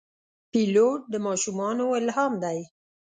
پیلوټ د ماشومانو الهام دی.